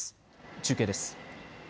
中継です。